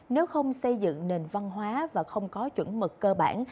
nếu không xây dựng nền văn hóa và không có chuẩn mực cơ bản